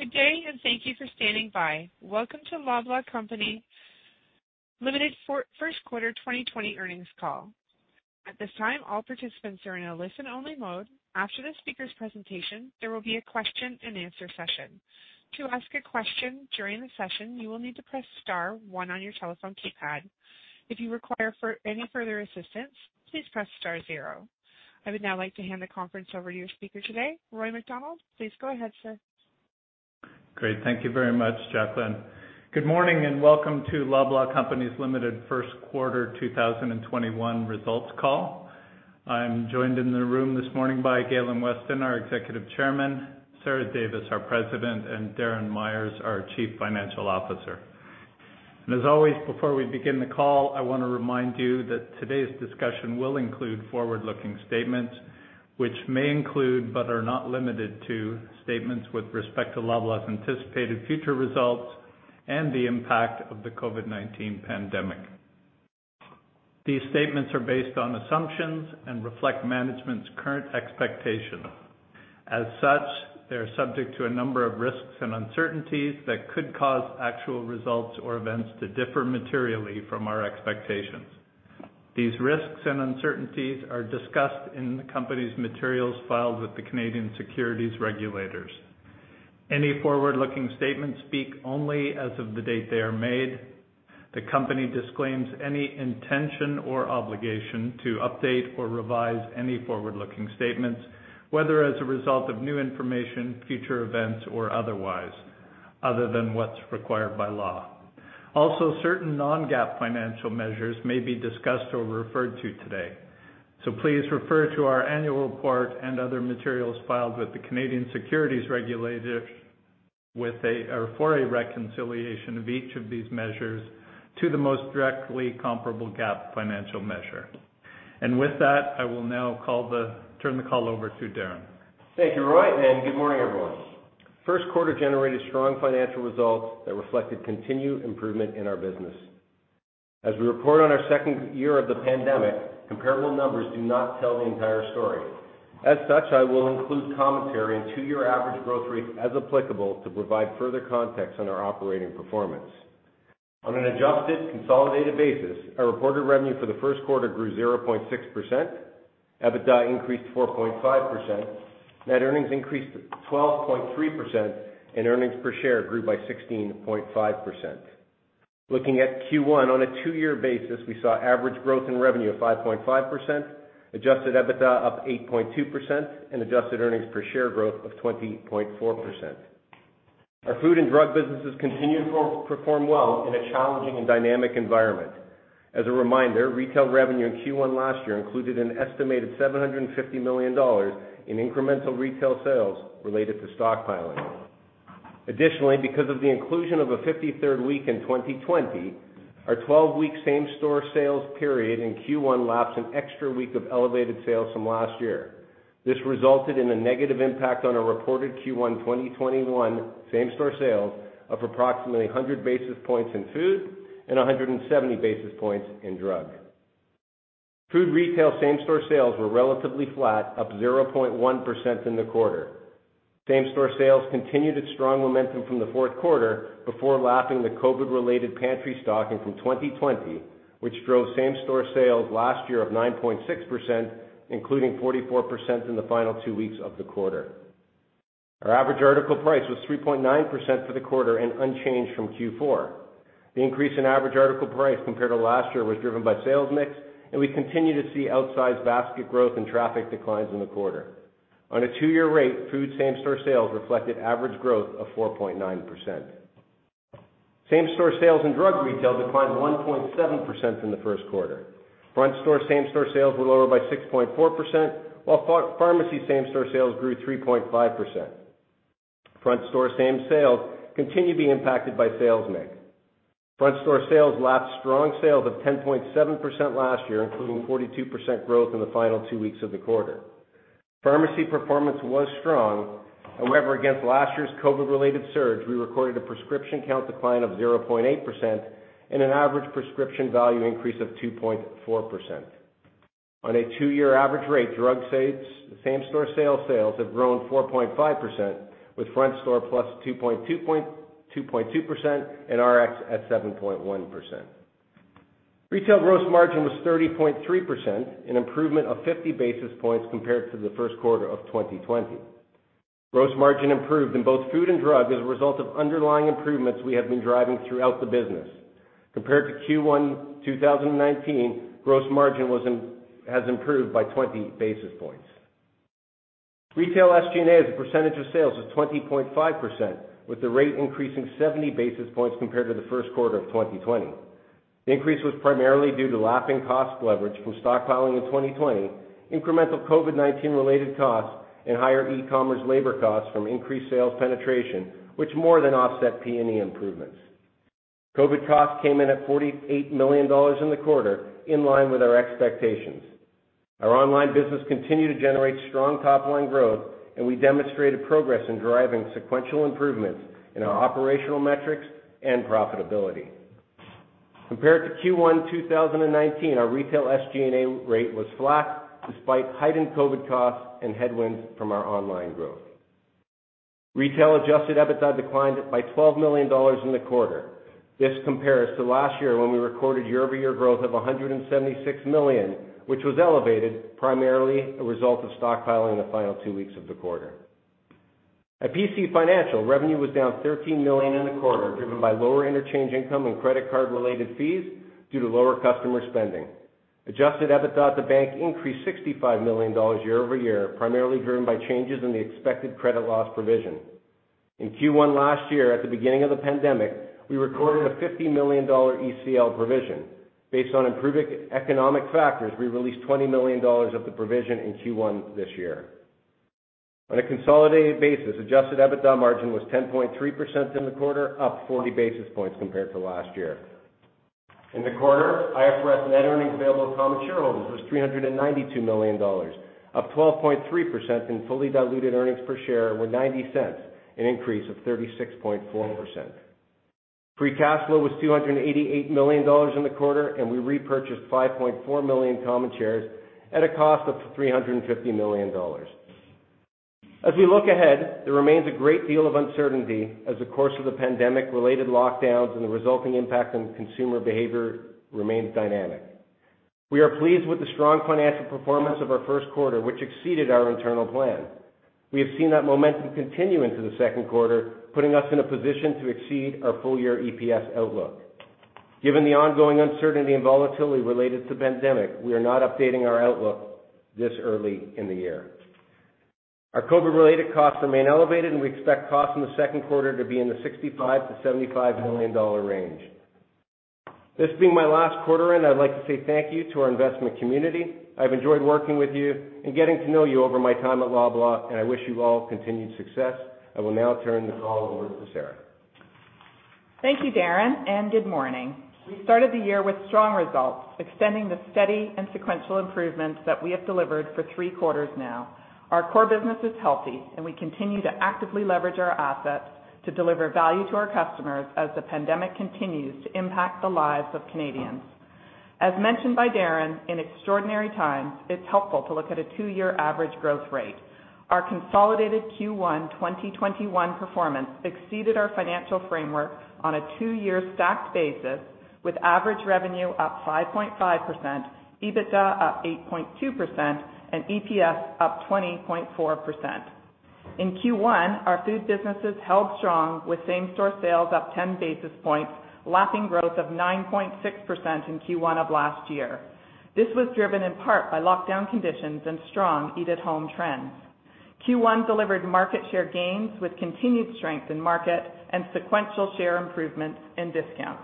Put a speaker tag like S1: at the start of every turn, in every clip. S1: Good day and thank you for standing by. Welcome to Loblaw Companies Limited first quarter 2020 earnings call. At this time, all participants are in a listen-only mode. After the speaker's presentation, there will be a question-and-answer session. To ask a question during the session, you will need to press star one on your telephone keypad. If you require any further assistance, please press star zero. I would now like to hand the conference over to your speaker today, Roy MacDonald. Please go ahead, sir.
S2: Great. Thank you very much, Jacqueline. Good morning and welcome to Loblaw Companies Limited's first quarter 2021 results call. I'm joined in the room this morning by Galen Weston, our Executive Chairman; Sarah Davis, our President; and Darren Myers, our Chief Financial Officer. And as always, before we begin the call, I want to remind you that today's discussion will include forward-looking statements, which may include but are not limited to statements with respect to Loblaw's anticipated future results and the impact of the COVID-19 pandemic. These statements are based on assumptions and reflect management's current expectations. As such, they are subject to a number of risks and uncertainties that could cause actual results or events to differ materially from our expectations. These risks and uncertainties are discussed in the company's materials filed with the Canadian securities regulators. Any forward-looking statements speak only as of the date they are made. The company disclaims any intention or obligation to update or revise any forward-looking statements, whether as a result of new information, future events, or otherwise, other than what's required by law. Also, certain non-GAAP financial measures may be discussed or referred to today. So please refer to our annual report and other materials filed with the Canadian securities regulator for a reconciliation of each of these measures to the most directly comparable GAAP financial measure. And with that, I will now turn the call over to Darren.
S3: Thank you, Roy, and good morning, everyone. First quarter generated strong financial results that reflected continued improvement in our business. As we report on our second year of the pandemic, comparable numbers do not tell the entire story. As such, I will include commentary and two-year average growth rates as applicable to provide further context on our operating performance. On an adjusted, consolidated basis, our reported revenue for the first quarter grew 0.6%, EBITDA increased 4.5%, net earnings increased 12.3%, and earnings per share grew by 16.5%. Looking at Q1, on a two-year basis, we saw average growth in revenue of 5.5%, Adjusted EBITDA up 8.2%, and adjusted earnings per share growth of 20.4%. Our food and drug businesses continued to perform well in a challenging and dynamic environment. As a reminder, retail revenue in Q1 last year included an estimated 750 million dollars in incremental retail sales related to stockpiling. Additionally, because of the inclusion of a 53rd week in 2020, our 12-week same-store sales period in Q1 lapped an extra week of elevated sales from last year. This resulted in a negative impact on our reported Q1 2021 same-store sales of approximately 100 basis points in food and 170 basis points in drug. Food retail same-store sales were relatively flat, up 0.1% in the quarter. Same-store sales continued its strong momentum from the fourth quarter before lapping the COVID-related pantry stocking from 2020, which drove same-store sales last year of 9.6%, including 44% in the final two weeks of the quarter. Our average article price was 3.9% for the quarter and unchanged from Q4. The increase in average article price compared to last year was driven by sales mix, and we continue to see outsized basket growth and traffic declines in the quarter. On a two-year rate, food same-store sales reflected average growth of 4.9%. Same-store sales in drug retail declined 1.7% in the first quarter. Front-store same-store sales were lower by 6.4%, while pharmacy same-store sales grew 3.5%. Front-store same sales continue to be impacted by sales mix. Front-store sales lapped strong sales of 10.7% last year, including 42% growth in the final two weeks of the quarter. Pharmacy performance was strong. However, against last year's COVID-related surge, we recorded a prescription count decline of 0.8% and an average prescription value increase of 2.4%. On a two-year average rate, drug same-store sales have grown 4.5%, with front-store plus 2.2% and RX at 7.1%. Retail gross margin was 30.3%, an improvement of 50 basis points compared to the first quarter of 2020. Gross margin improved in both food and drug as a result of underlying improvements we have been driving throughout the business. Compared to Q1 2019, gross margin has improved by 20 basis points. Retail SG&A's percentage of sales was 20.5%, with the rate increasing 70 basis points compared to the first quarter of 2020. The increase was primarily due to lapping cost leverage from stockpiling in 2020, incremental COVID-19-related costs, and higher e-commerce labor costs from increased sales penetration, which more than offset P&E improvements. COVID costs came in at 48 million dollars in the quarter, in line with our expectations. Our online business continued to generate strong top-line growth, and we demonstrated progress in driving sequential improvements in our operational metrics and profitability. Compared to Q1 2019, our retail SG&A rate was flat despite heightened COVID costs and headwinds from our online growth. Retail Adjusted EBITDA declined by 12 million dollars in the quarter. This compares to last year when we recorded year-over-year growth of 176 million, which was elevated, primarily a result of stockpiling in the final two weeks of the quarter. At PC Financial, revenue was down 13 million in the quarter, driven by lower interchange income and credit card-related fees due to lower customer spending. Adjusted EBITDA to bank increased 65 million dollars year-over-year, primarily driven by changes in the expected credit loss provision. In Q1 last year, at the beginning of the pandemic, we recorded a 50 million dollar ECL provision. Based on improving economic factors, we released 20 million dollars of the provision in Q1 this year. On a consolidated basis, Adjusted EBITDA margin was 10.3% in the quarter, up 40 basis points compared to last year. In the quarter, IFRS net earnings available to common shareholders was 392 million dollars, up 12.3%, and fully diluted earnings per share were 0.90, an increase of 36.4%. Free cash flow was 288 million dollars in the quarter, and we repurchased 5.4 million common shares at a cost of 350 million dollars. As we look ahead, there remains a great deal of uncertainty as the course of the pandemic-related lockdowns and the resulting impact on consumer behavior remains dynamic. We are pleased with the strong financial performance of our first quarter, which exceeded our internal plan. We have seen that momentum continue into the second quarter, putting us in a position to exceed our full-year EPS outlook. Given the ongoing uncertainty and volatility related to the pandemic, we are not updating our outlook this early in the year. Our COVID-related costs remain elevated, and we expect costs in the second quarter to be in the 65 million-75 million dollar range. This being my last quarter end, I'd like to say thank you to our investment community. I've enjoyed working with you and getting to know you over my time at Loblaw, and I wish you all continued success. I will now turn the call over to Sarah.
S4: Thank you, Darren, and good morning. We started the year with strong results, extending the steady and sequential improvements that we have delivered for three quarters now. Our core business is healthy, and we continue to actively leverage our assets to deliver value to our customers as the pandemic continues to impact the lives of Canadians. As mentioned by Darren, in extraordinary times, it's helpful to look at a two-year average growth rate. Our consolidated Q1 2021 performance exceeded our financial framework on a two-year stacked basis, with average revenue up 5.5%, EBITDA up 8.2%, and EPS up 20.4%. In Q1, our food businesses held strong, with same-store sales up 10 basis points, lapping growth of 9.6% in Q1 of last year. This was driven in part by lockdown conditions and strong eat-at-home trends. Q1 delivered market share gains with continued strength in market and sequential share improvements and discount.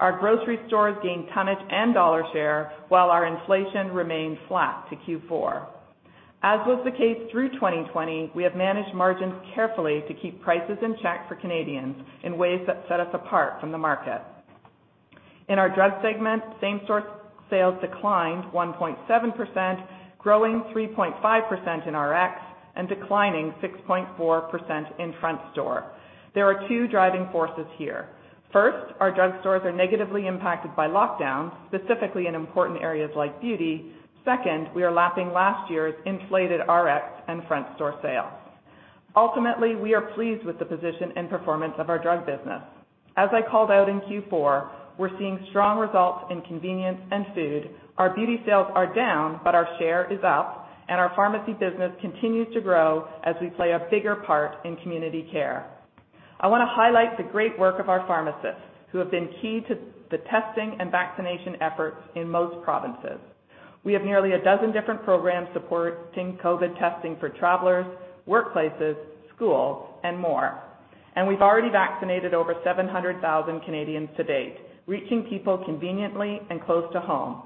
S4: Our grocery stores gained tonnage and dollar share, while our inflation remained flat to Q4. As was the case through 2020, we have managed margins carefully to keep prices in check for Canadians in ways that set us apart from the market. In our drug segment, same-store sales declined 1.7%, growing 3.5% in RX and declining 6.4% in front-store. There are two driving forces here. First, our drug stores are negatively impacted by lockdowns, specifically in important areas like beauty. Second, we are lapping last year's inflated RX and front-store sales. Ultimately, we are pleased with the position and performance of our drug business. As I called out in Q4, we're seeing strong results in convenience and food. Our beauty sales are down, but our share is up, and our pharmacy business continues to grow as we play a bigger part in community care. I want to highlight the great work of our pharmacists, who have been key to the testing and vaccination efforts in most provinces. We have nearly a dozen different programs supporting COVID testing for travelers, workplaces, schools, and more. And we've already vaccinated over 700,000 Canadians to date, reaching people conveniently and close to home.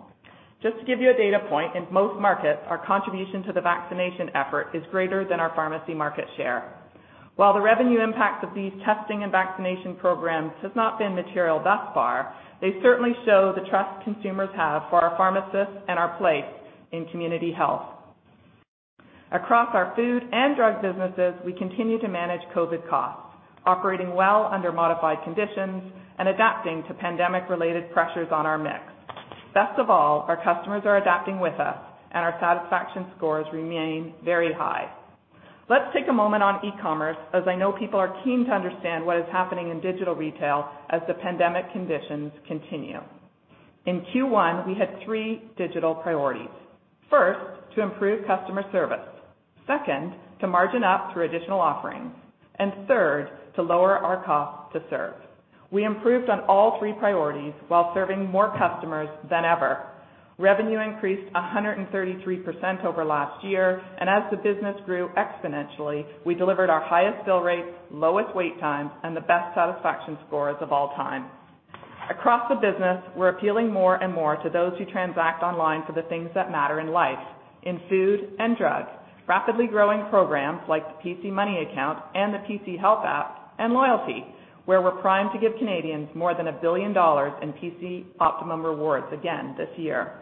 S4: Just to give you a data point, in most markets, our contribution to the vaccination effort is greater than our pharmacy market share. While the revenue impacts of these testing and vaccination programs have not been material thus far, they certainly show the trust consumers have for our pharmacists and our place in community health. Across our food and drug businesses, we continue to manage COVID costs, operating well under modified conditions and adapting to pandemic-related pressures on our mix. Best of all, our customers are adapting with us, and our satisfaction scores remain very high. Let's take a moment on e-commerce, as I know people are keen to understand what is happening in digital retail as the pandemic conditions continue. In Q1, we had three digital priorities. First, to improve customer service. Second, to margin up through additional offerings. And third, to lower our cost to serve. We improved on all three priorities while serving more customers than ever. Revenue increased 133% over last year, and as the business grew exponentially, we delivered our highest bill rates, lowest wait times, and the best satisfaction scores of all time. Across the business, we're appealing more and more to those who transact online for the things that matter in life, in food and drugs, rapidly growing programs like the PC Money Account and the PC Health App, and loyalty, where we're primed to give Canadians more than 1 billion dollars in PC Optimum rewards again this year.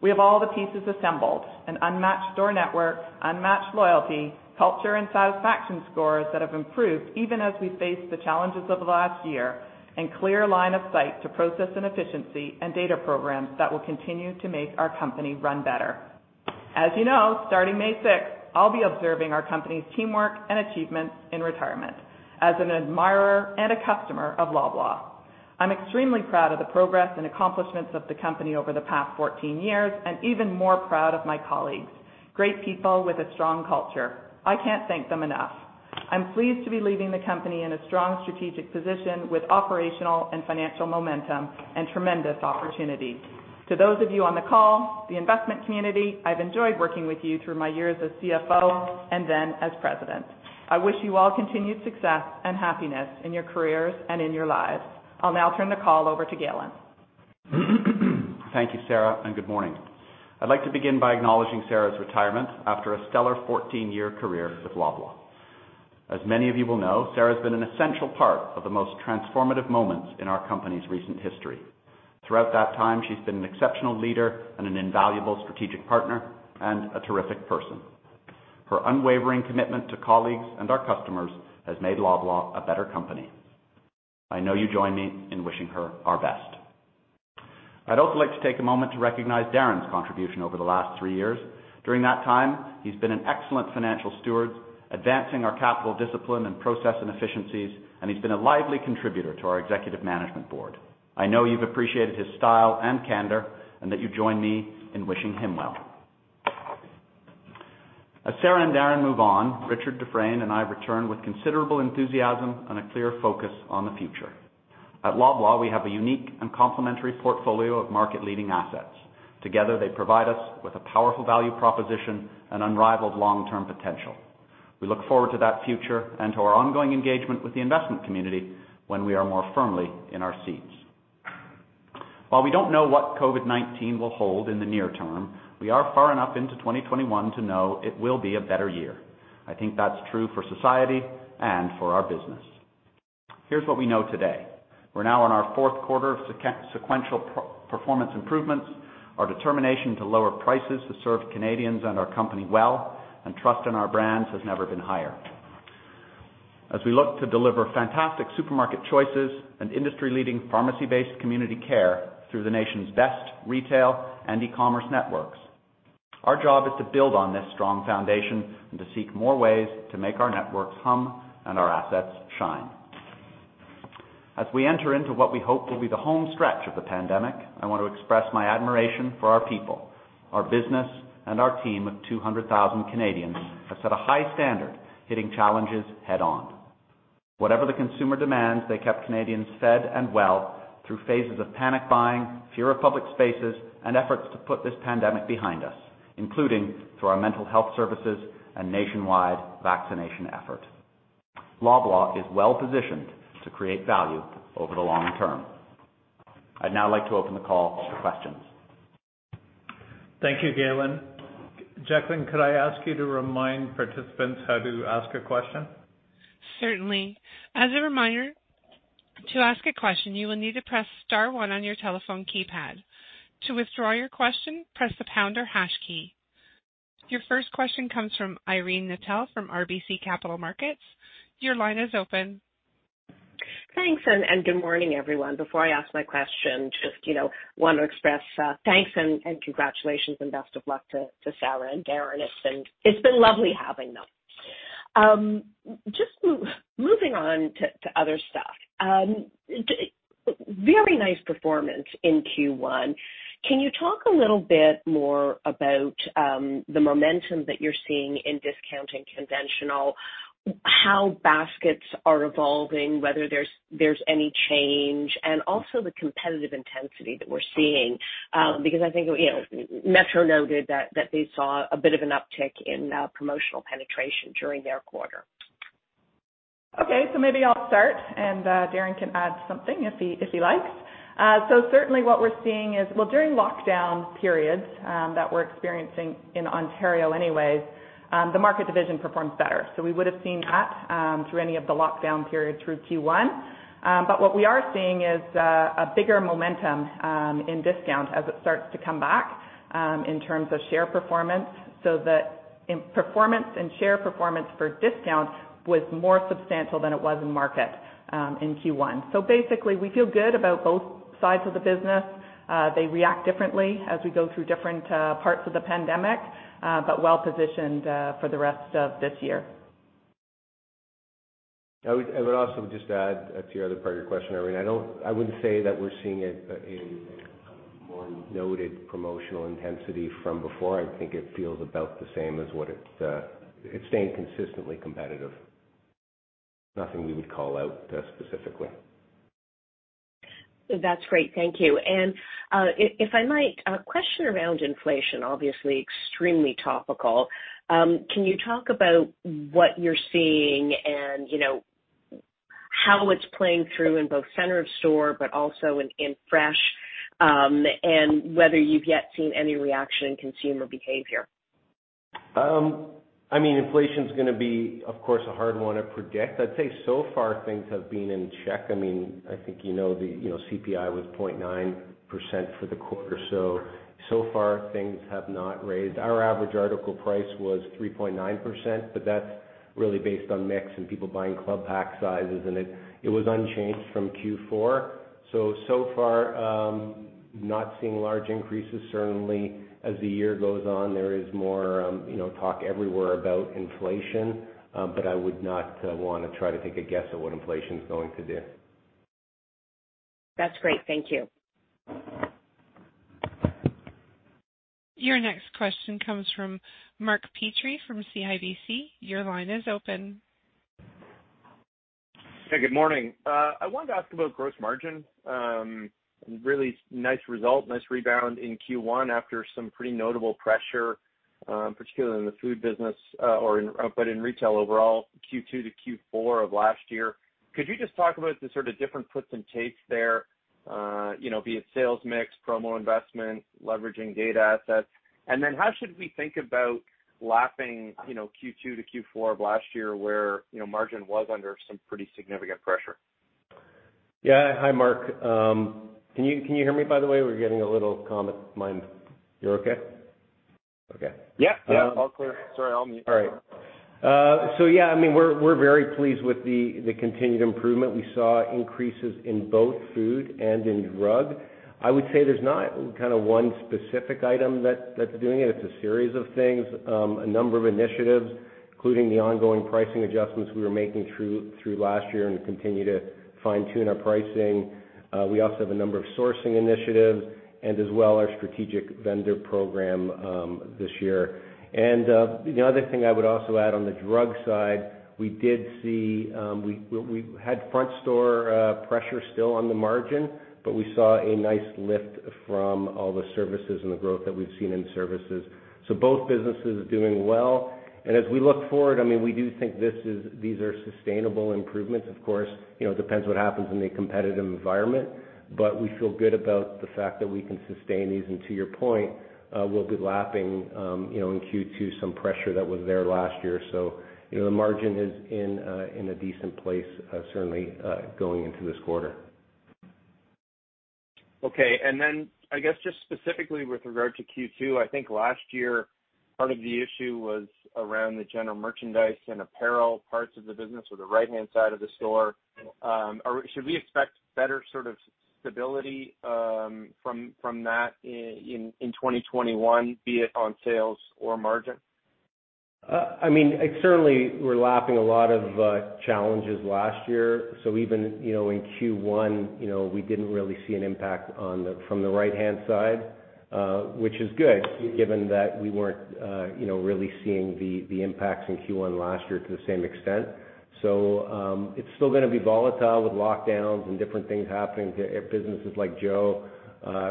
S4: We have all the pieces assembled: an unmatched store network, unmatched loyalty, culture, and satisfaction scores that have improved even as we faced the challenges of last year, and a clear line of sight to process and efficiency and data programs that will continue to make our company run better. As you know, starting May 6th, I'll be observing our company's teamwork and achievements in retirement as an admirer and a customer of Loblaw. I'm extremely proud of the progress and accomplishments of the company over the past 14 years and even more proud of my colleagues, great people with a strong culture. I can't thank them enough. I'm pleased to be leaving the company in a strong strategic position with operational and financial momentum and tremendous opportunity. To those of you on the call, the investment community, I've enjoyed working with you through my years as CFO and then as President. I wish you all continued success and happiness in your careers and in your lives. I'll now turn the call over to Galen.
S5: Thank you, Sarah, and good morning. I'd like to begin by acknowledging Sarah's retirement after a stellar 14-year career with Loblaw. As many of you will know, Sarah has been an essential part of the most transformative moments in our company's recent history. Throughout that time, she's been an exceptional leader and an invaluable strategic partner and a terrific person. Her unwavering commitment to colleagues and our customers has made Loblaw a better company. I know you join me in wishing her our best. I'd also like to take a moment to recognize Darren's contribution over the last three years. During that time, he's been an excellent financial steward, advancing our capital discipline and process and efficiencies, and he's been a lively contributor to our executive management board. I know you've appreciated his style and candor and that you join me in wishing him well. As Sarah and Darren move on, Richard Dufresne and I return with considerable enthusiasm and a clear focus on the future. At Loblaw, we have a unique and complementary portfolio of market-leading assets. Together, they provide us with a powerful value proposition and unrivaled long-term potential. We look forward to that future and to our ongoing engagement with the investment community when we are more firmly in our seats. While we don't know what COVID-19 will hold in the near term, we are far enough into 2021 to know it will be a better year. I think that's true for society and for our business. Here's what we know today. We're now on our fourth quarter of sequential performance improvements. Our determination to lower prices has served Canadians and our company well, and trust in our brands has never been higher. As we look to deliver fantastic supermarket choices and industry-leading pharmacy-based community care through the nation's best retail and e-commerce networks, our job is to build on this strong foundation and to seek more ways to make our networks hum and our assets shine. As we enter into what we hope will be the home stretch of the pandemic, I want to express my admiration for our people. Our business and our team of 200,000 Canadians have set a high standard, hitting challenges head-on. Whatever the consumer demands, they kept Canadians fed and well through phases of panic buying, fear of public spaces, and efforts to put this pandemic behind us, including through our mental health services and nationwide vaccination effort. Loblaw is well-positioned to create value over the long term. I'd now like to open the call for questions.
S2: Thank you, Galen. Jacqueline, could I ask you to remind participants how to ask a question?
S1: Certainly. As a reminder, to ask a question, you will need to press Star 1 on your telephone keypad. To withdraw your question, press the pound or hash key. Your first question comes from Irene Nattel from RBC Capital Markets. Your line is open.
S6: Thanks, and good morning, everyone. Before I ask my question, just want to express thanks and congratulations and best of luck to Sarah and Darren. It's been lovely having them. Just moving on to other stuff, very nice performance in Q1. Can you talk a little bit more about the momentum that you're seeing in discounting conventional, how baskets are evolving, whether there's any change, and also the competitive intensity that we're seeing? Because I think Metro noted that they saw a bit of an uptick in promotional penetration during their quarter.
S4: Okay, so maybe I'll start, and Darren can add something if he likes, so certainly what we're seeing is, well, during lockdown periods that we're experiencing in Ontario anyways, the market division performs better, so we would have seen that through any of the lockdown periods through Q1, but what we are seeing is a bigger momentum in discount as it starts to come back in terms of share performance, so the performance and share performance for discount was more substantial than it was in market in Q1, so basically, we feel good about both sides of the business. They react differently as we go through different parts of the pandemic, but well-positioned for the rest of this year.
S3: I would also just add to your other part of your question, Irene. I wouldn't say that we're seeing a more noted promotional intensity from before. I think it feels about the same as what it's staying consistently competitive. Nothing we would call out specifically.
S6: That's great. Thank you. And if I might, a question around inflation, obviously extremely topical. Can you talk about what you're seeing and how it's playing through in both center of store, but also in fresh, and whether you've yet seen any reaction in consumer behavior?
S3: I mean, inflation's going to be, of course, a hard one to predict. I'd say so far things have been in check. I mean, I think you know the CPI was 0.9% for the quarter. So far, things have not raised. Our average article price was 3.9%, but that's really based on mix and people buying club pack sizes, and it was unchanged from Q4. So far, not seeing large increases. Certainly, as the year goes on, there is more talk everywhere about inflation, but I would not want to try to take a guess at what inflation's going to do.
S6: That's great. Thank you.
S1: Your next question comes from Mark Petrie from CIBC. Your line is open.
S7: Hey, good morning. I wanted to ask about gross margin. Really nice result, nice rebound in Q1 after some pretty notable pressure, particularly in the food business, but in retail overall, Q2 to Q4 of last year. Could you just talk about the sort of different puts and takes there, be it sales mix, promo investment, leveraging data assets, and then how should we think about lapping Q2 to Q4 of last year where margin was under some pretty significant pressure?
S3: Yeah. Hi, Mark. Can you hear me, by the way? We're getting a little comment. You're okay? Okay.
S7: Yeah. Yeah. All clear. Sorry, I'll mute.
S3: All right. So yeah, I mean, we're very pleased with the continued improvement. We saw increases in both food and in drug. I would say there's not kind of one specific item that's doing it. It's a series of things, a number of initiatives, including the ongoing pricing adjustments we were making through last year and continue to fine-tune our pricing. We also have a number of sourcing initiatives and as well our strategic vendor program this year. And the other thing I would also add on the drug side, we did see we had front-store pressure still on the margin, but we saw a nice lift from all the services and the growth that we've seen in services. So both businesses are doing well. And as we look forward, I mean, we do think these are sustainable improvements. Of course, it depends what happens in the competitive environment, but we feel good about the fact that we can sustain these, and to your point, we'll be lapping in Q2 some pressure that was there last year, so the margin is in a decent place, certainly going into this quarter.
S7: Okay. And then I guess just specifically with regard to Q2, I think last year part of the issue was around the general merchandise and apparel parts of the business or the right-hand side of the store. Should we expect better sort of stability from that in 2021, be it on sales or margin?
S3: I mean, certainly we're lapping a lot of challenges last year. So even in Q1, we didn't really see an impact from the right-hand side, which is good given that we weren't really seeing the impacts in Q1 last year to the same extent. So it's still going to be volatile with lockdowns and different things happening to businesses like Joe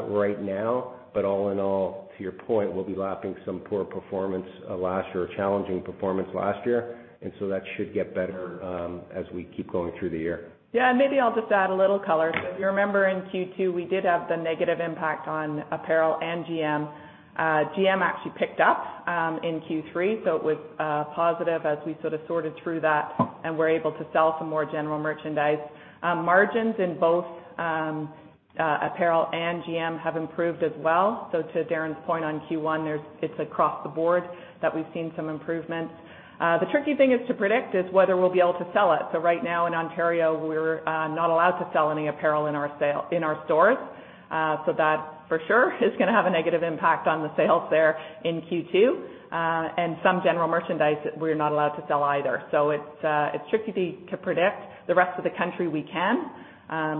S3: right now. But all in all, to your point, we'll be lapping some poor performance last year or challenging performance last year. And so that should get better as we keep going through the year.
S4: Yeah, and maybe I'll just add a little color. So if you remember in Q2, we did have the negative impact on apparel and GM. GM actually picked up in Q3, so it was positive as we sort of sorted through that and were able to sell some more general merchandise. Margins in both apparel and GM have improved as well. So to Darren's point on Q1, it's across the board that we've seen some improvements. The tricky thing to predict is whether we'll be able to sell it. So right now in Ontario, we're not allowed to sell any apparel in our stores. So that for sure is going to have a negative impact on the sales there in Q2. And some general merchandise, we're not allowed to sell either. So it's tricky to predict. The rest of the country, we can.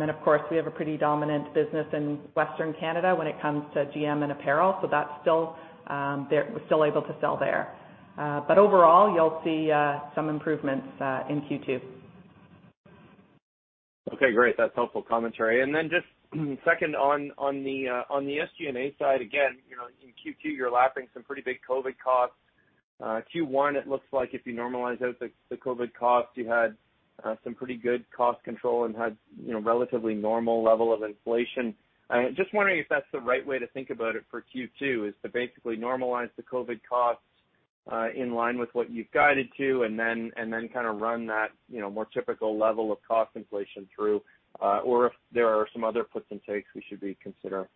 S4: Of course, we have a pretty dominant business in Western Canada when it comes to GM and apparel. So we're still able to sell there. But overall, you'll see some improvements in Q2.
S7: Okay. Great. That's helpful commentary. And then just second on the SG&A side, again, in Q2, you're lapping some pretty big COVID costs. Q1, it looks like if you normalize out the COVID costs, you had some pretty good cost control and had relatively normal level of inflation. Just wondering if that's the right way to think about it for Q2 is to basically normalize the COVID costs in line with what you've guided to and then kind of run that more typical level of cost inflation through, or if there are some other puts and takes we should be considering?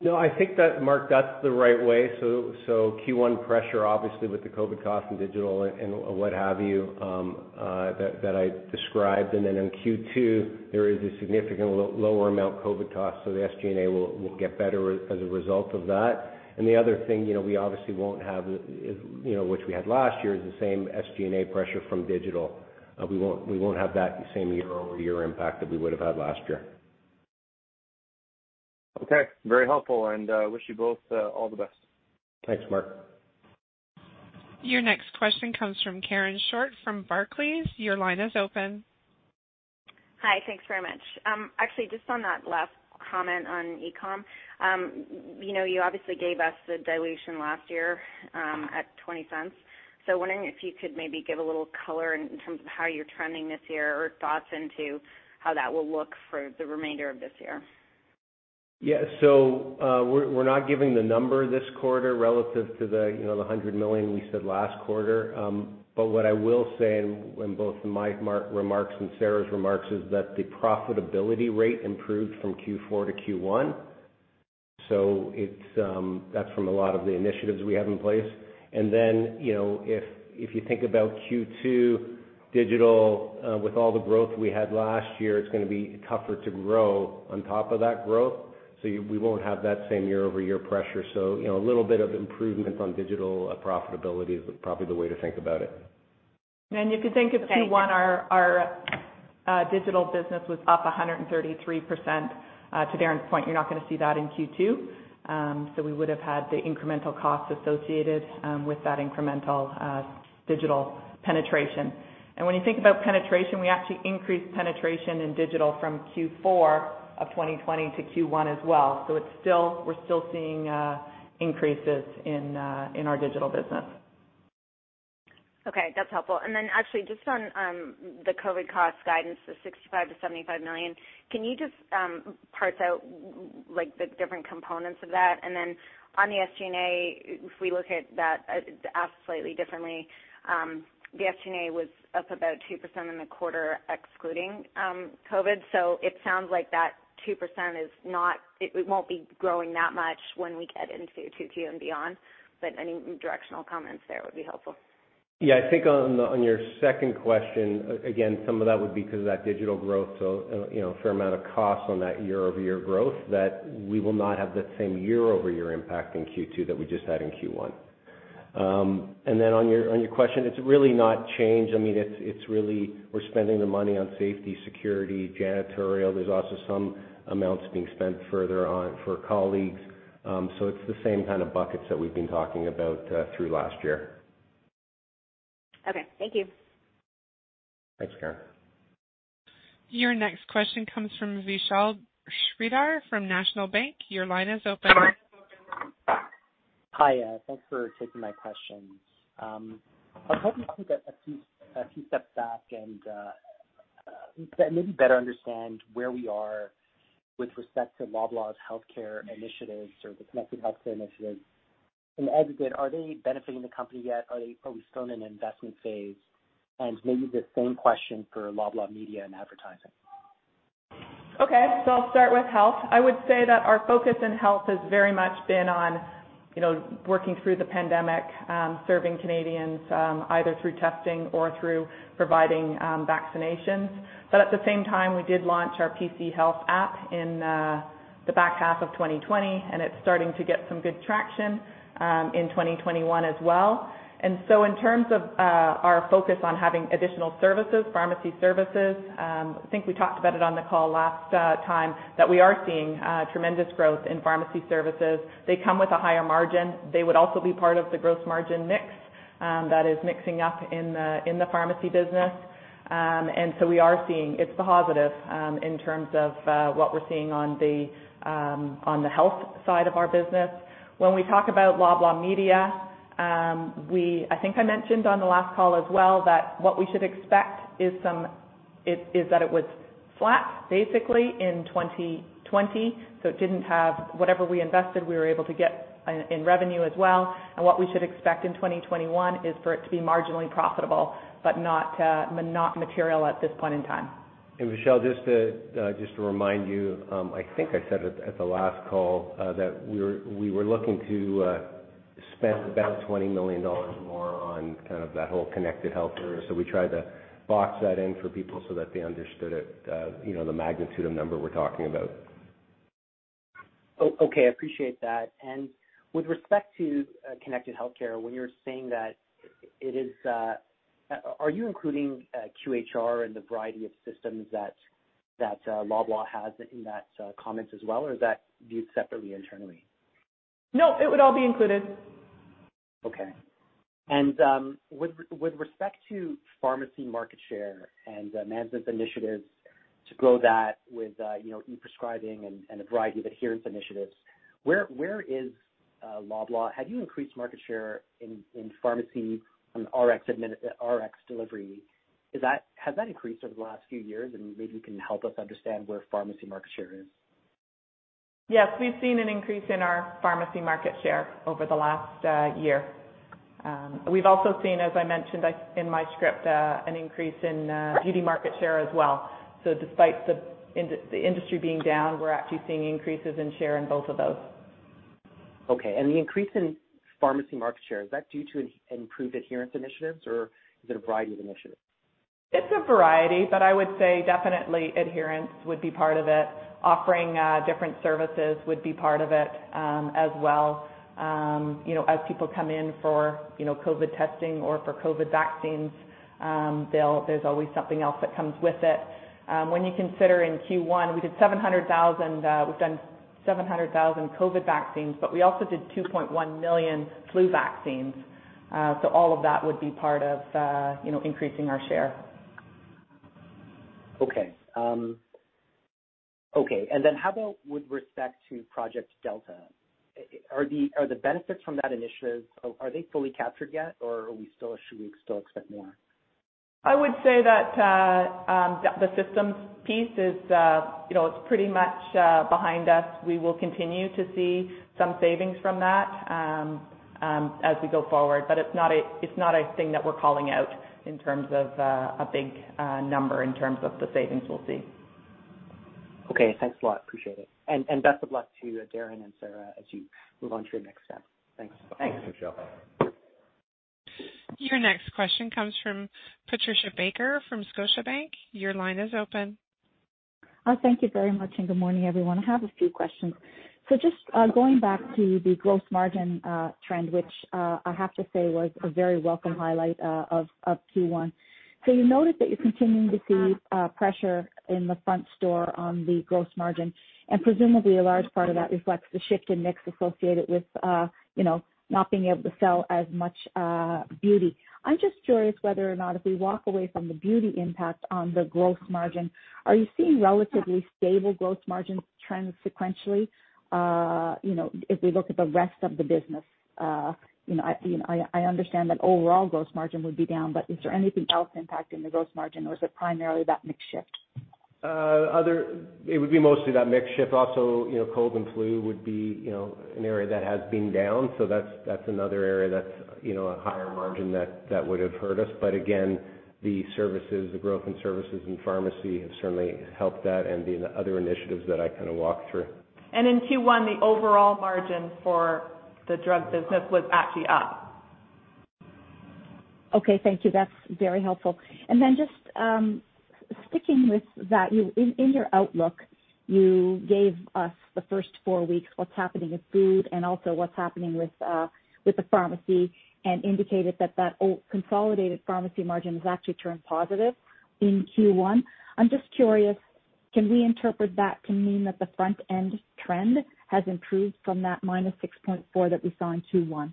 S3: No, I think that, Mark, that's the right way. So Q1 pressure, obviously, with the COVID costs and digital and what have you that I described. And then in Q2, there is a significant lower amount of COVID costs. So the SG&A will get better as a result of that. And the other thing we obviously won't have, which we had last year, is the same SG&A pressure from digital. We won't have that same year-over-year impact that we would have had last year.
S7: Okay. Very helpful, and I wish you both all the best.
S3: Thanks, Mark.
S1: Your next question comes from Karen Short from Barclays. Your line is open.
S8: Hi. Thanks very much. Actually, just on that last comment on e-comm, you obviously gave us the dilution last year at 0.20. So wondering if you could maybe give a little color in terms of how you're trending this year or thoughts into how that will look for the remainder of this year?
S3: Yeah. So we're not giving the number this quarter relative to the 100 million we said last quarter. But what I will say in both my remarks and Sarah's remarks is that the profitability rate improved from Q4-Q1. So that's from a lot of the initiatives we have in place. And then if you think about Q2 digital, with all the growth we had last year, it's going to be tougher to grow on top of that growth. So we won't have that same year-over-year pressure. So a little bit of improvement on digital profitability is probably the way to think about it.
S4: And if you think of Q1, our digital business was up 133%. To Darren's point, you're not going to see that in Q2. So we would have had the incremental costs associated with that incremental digital penetration. And when you think about penetration, we actually increased penetration in digital from Q4 of 2020 to Q1 as well. So we're still seeing increases in our digital business.
S8: Okay. That's helpful. And then actually, just on the COVID cost guidance, the 65 million-75 million, can you just parse out the different components of that? And then on the SG&A, if we look at that asked slightly differently, the SG&A was up about 2% in the quarter excluding COVID. So it sounds like that 2% is not, it won't be growing that much when we get into Q2 and beyond. But any directional comments there would be helpful.
S3: Yeah. I think on your second question, again, some of that would be because of that digital growth. So a fair amount of costs on that year-over-year growth that we will not have that same year-over-year impact in Q2 that we just had in Q1. And then on your question, it's really not changed. I mean, it's really we're spending the money on safety, security, janitorial. There's also some amounts being spent further on for colleagues. So it's the same kind of buckets that we've been talking about through last year.
S8: Okay. Thank you.
S3: Thanks, Karen.
S1: Your next question comes from Vishal Shreedhar from National Bank. Your line is open.
S9: Hi. Thanks for taking my questions. I'll probably take a few steps back and maybe better understand where we are with respect to Loblaw's healthcare initiatives or the connected healthcare initiatives. And as I said, are they benefiting the company yet? Are we still in an investment phase? And maybe the same question for Loblaw Media and advertising.
S4: Okay, so I'll start with health. I would say that our focus in health has very much been on working through the pandemic, serving Canadians either through testing or through providing vaccinations. But at the same time, we did launch our PC Health App in the back half of 2020, and it's starting to get some good traction in 2021 as well. In terms of our focus on having additional services, pharmacy services, I think we talked about it on the call last time that we are seeing tremendous growth in pharmacy services. They come with a higher margin. They would also be part of the gross margin mix that is mixing up in the pharmacy business. We are seeing it's positive in terms of what we're seeing on the health side of our business. When we talk about Loblaw Media, I think I mentioned on the last call as well that what we should expect is that it was flat basically in 2020, so it didn't have whatever we invested, we were able to get in revenue as well, and what we should expect in 2021 is for it to be marginally profitable, but not material at this point in time.
S3: Vishal, just to remind you, I think I said at the last call that we were looking to spend about 20 million dollars more on kind of that whole connected health area. We tried to box that in for people so that they understood the magnitude of number we're talking about.
S9: Okay. I appreciate that, and with respect to connected healthcare, when you're saying that it is, are you including QHR and the variety of systems that Loblaw has in that comments as well, or is that viewed separately internally?
S4: No, it would all be included.
S9: Okay. And with respect to pharmacy market share and management initiatives to grow that with e-prescribing and a variety of adherence initiatives, where is Loblaw? Have you increased market share in pharmacy and Rx delivery? Has that increased over the last few years? And maybe you can help us understand where pharmacy market share is.
S4: Yes. We've seen an increase in our pharmacy market share over the last year. We've also seen, as I mentioned in my script, an increase in beauty market share as well. So despite the industry being down, we're actually seeing increases in share in both of those.
S9: Okay. And the increase in pharmacy market share, is that due to improved adherence initiatives, or is it a variety of initiatives?
S4: It's a variety, but I would say definitely adherence would be part of it. Offering different services would be part of it as well. As people come in for COVID testing or for COVID vaccines, there's always something else that comes with it. When you consider in Q1, we did 700,000. We've done 700,000 COVID vaccines, but we also did 2.1 million flu vaccines. So all of that would be part of increasing our share.
S9: And then how about with respect to Project Delta? Are the benefits from that initiative, are they fully captured yet, or are we still expect more?
S4: I would say that the systems piece is pretty much behind us. We will continue to see some savings from that as we go forward. But it's not a thing that we're calling out in terms of a big number in terms of the savings we'll see.
S9: Okay. Thanks a lot. Appreciate it and best of luck to Darren and Sarah as you move on to your next step. Thanks.
S3: Thanks, Vishal.
S1: Your next question comes from Patricia Baker from Scotiabank. Your line is open.
S10: Thank you very much and good morning, everyone. I have a few questions. So just going back to the gross margin trend, which I have to say was a very welcome highlight of Q1. So you noted that you're continuing to see pressure in the front store on the gross margin. And presumably, a large part of that reflects the shift in mix associated with not being able to sell as much beauty. I'm just curious whether or not if we walk away from the beauty impact on the gross margin, are you seeing relatively stable gross margin trends sequentially if we look at the rest of the business? I understand that overall gross margin would be down, but is there anything else impacting the gross margin, or is it primarily that mix shift?
S3: It would be mostly that mix shift. Also, COVID and flu would be an area that has been down. So that's another area that's a higher margin that would have hurt us. But again, the growth in services and pharmacy have certainly helped that and the other initiatives that I kind of walked through.
S4: In Q1, the overall margin for the drug business was actually up.
S10: Okay. Thank you. That's very helpful. And then just sticking with that, in your outlook, you gave us the first four weeks what's happening with food and also what's happening with the pharmacy and indicated that that consolidated pharmacy margin has actually turned positive in Q1. I'm just curious, can we interpret that to mean that the front-end trend has improved from that -6.4 that we saw in Q1?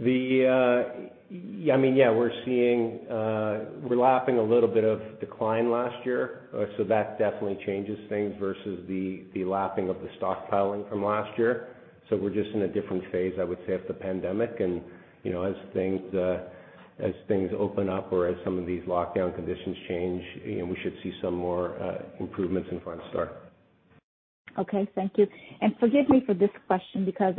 S3: I mean, yeah, we're lapping a little bit of decline last year. So that definitely changes things versus the lapping of the stockpiling from last year. So we're just in a different phase, I would say, of the pandemic. And as things open up or as some of these lockdown conditions change, we should see some more improvements in front store.
S10: Okay. Thank you. And forgive me for this question because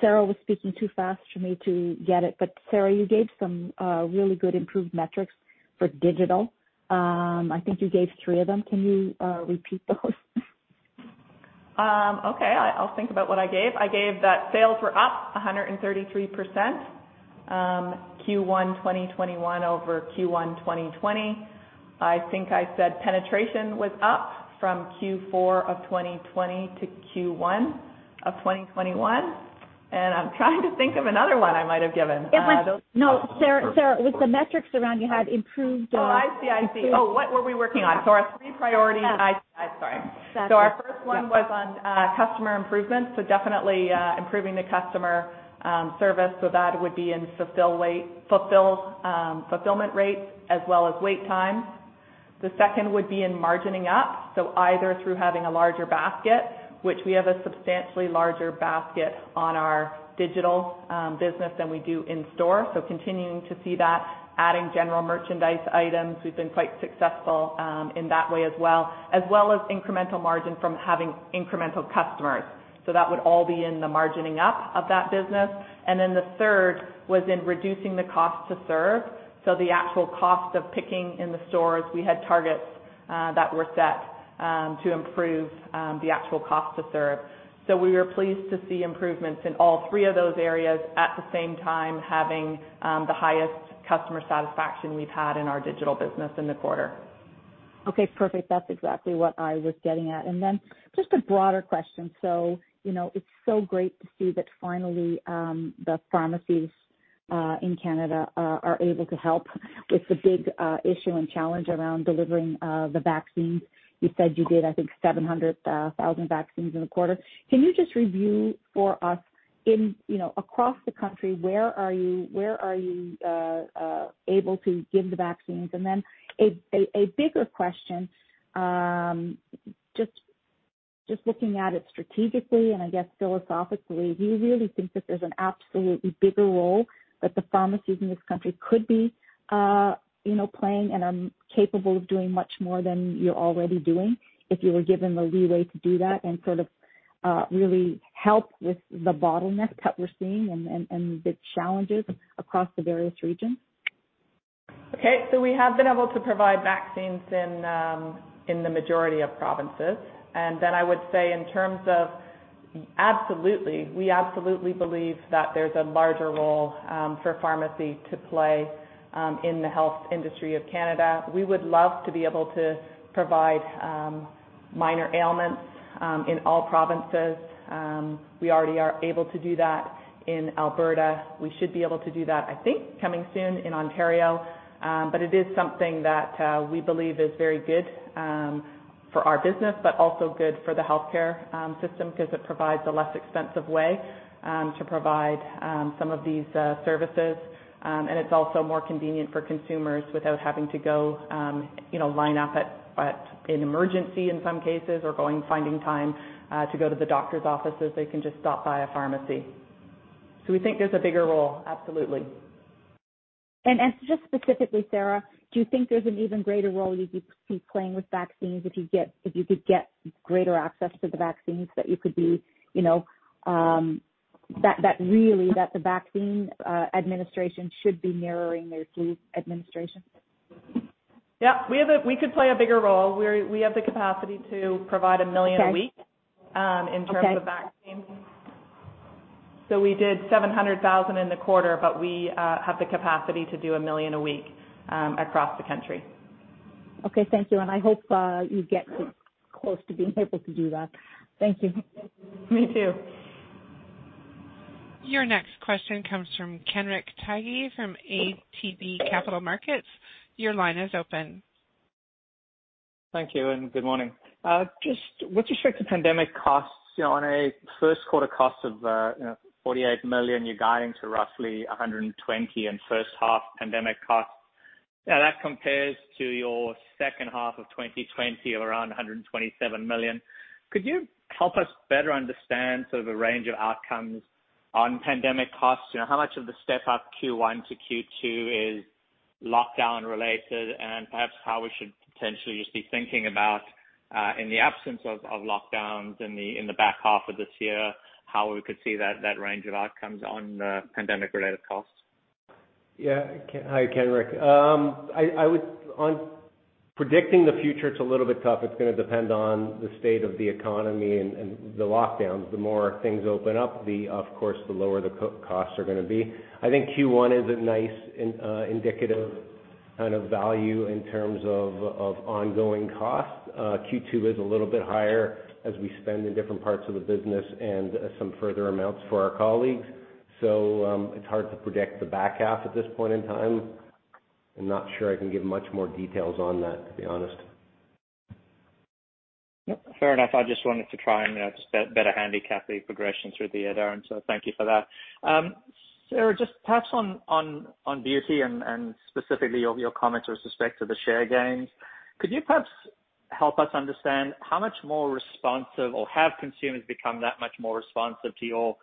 S10: Sarah was speaking too fast for me to get it. But Sarah, you gave some really good improved metrics for digital. I think you gave three of them. Can you repeat those?
S4: Okay. I'll think about what I gave. I gave that sales were up 133% Q1 2021 over Q1 2020. I think I said penetration was up from Q4 of 2020 to Q1 of 2021. And I'm trying to think of another one I might have given.
S3: No, Sarah, it was the metrics around you had improved.
S4: So our three priorities. So our first one was on customer improvement. So definitely improving the customer service. So that would be in fulfillment rates as well as wait times. The second would be in margining up. So either through having a larger basket, which we have a substantially larger basket on our digital business than we do in store. So continuing to see that, adding general merchandise items. We've been quite successful in that way as well as incremental margin from having incremental customers. So that would all be in the margining up of that business. And then the third was in reducing the cost to serve. So the actual cost of picking in the stores, we had targets that were set to improve the actual cost to serve. So we were pleased to see improvements in all three of those areas at the same time, having the highest customer satisfaction we've had in our digital business in the quarter.
S10: Okay. Perfect. That's exactly what I was getting at. And then just a broader question. So it's so great to see that finally the pharmacies in Canada are able to help with the big issue and challenge around delivering the vaccines. You said you did, I think, 700,000 vaccines in the quarter. Can you just review for us across the country, where are you able to give the vaccines? And then a bigger question, just looking at it strategically and I guess philosophically, do you really think that there's an absolutely bigger role that the pharmacies in this country could be playing and are capable of doing much more than you're already doing if you were given the leeway to do that and sort of really help with the bottleneck that we're seeing and the challenges across the various regions?
S4: Okay. We have been able to provide vaccines in the majority of provinces. I would say in terms of absolutely, we absolutely believe that there's a larger role for pharmacy to play in the health industry of Canada. We would love to be able to provide minor ailments in all provinces. We already are able to do that in Alberta. We should be able to do that, I think, coming soon in Ontario. But it is something that we believe is very good for our business, but also good for the healthcare system because it provides a less expensive way to provide some of these services. And it's also more convenient for consumers without having to go line up in emergency in some cases or finding time to go to the doctor's office as they can just stop by a pharmacy. So we think there's a bigger role, absolutely.
S10: Just specifically, Sarah, do you think there's an even greater role you could be playing with vaccines if you could get greater access to the vaccines that really the vaccine administration should be mirroring their flu administration?
S4: Yeah. We could play a bigger role. We have the capacity to provide a million a week in terms of vaccine. So we did 700,000 in the quarter, but we have the capacity to do a million a week across the country.
S10: Okay. Thank you. And I hope you get close to being able to do that. Thank you.
S4: Me too.
S1: Your next question comes from Kenric Tyghe from ATB Capital Markets. Your line is open.
S11: Thank you and good morning. Just with respect to pandemic costs, on a first quarter cost of 48 million, you're guiding to roughly 120 million in first half pandemic costs. Now, that compares to your second half of 2020 of around 127 million. Could you help us better understand sort of the range of outcomes on pandemic costs? How much of the step-up Q1 to Q2 is lockdown-related and perhaps how we should potentially just be thinking about in the absence of lockdowns in the back half of this year, how we could see that range of outcomes on the pandemic-related costs?
S3: Yeah. Hi, Kenric. Predicting the future, it's a little bit tough. It's going to depend on the state of the economy and the lockdowns. The more things open up, of course, the lower the costs are going to be. I think Q1 is a nice indicative kind of value in terms of ongoing costs. Q2 is a little bit higher as we spend in different parts of the business and some further amounts for our colleagues. So it's hard to predict the back half at this point in time. I'm not sure I can give much more details on that, to be honest.
S11: Fair enough. I just wanted to try and just better handicap the progression through the year. And so thank you for that. Sarah, just perhaps on beauty and specifically your comments with respect to the share gains, could you perhaps help us understand how much more responsive or have consumers become that much more responsive to your